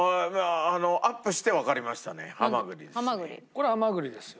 これハマグリですよ。